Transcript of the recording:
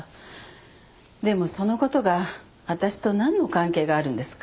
でもその事が私となんの関係があるんですか？